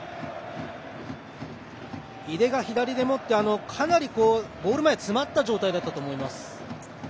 井出が左で持ってかなりゴール前詰まった状態だったと思います。